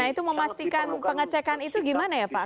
nah itu memastikan pengecekan itu gimana ya pak